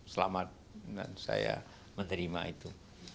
selamat saya menerima itu